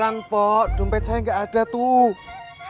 iya pok dompet saya gak ada tuh